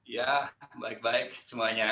ya baik baik semuanya